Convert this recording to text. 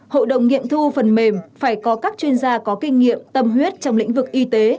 hội đồng nghiệm thu phần mềm phải có các chuyên gia có kinh nghiệm tâm huyết trong lĩnh vực y tế